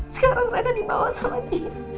sekarang mereka dibawa sama dia